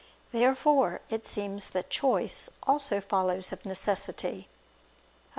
Therefore it seems that choice also follows of necessity. Obj.